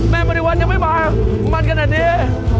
บริวัลยังไม่มามันขนาดนี้